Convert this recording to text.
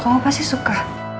kamu pasti suka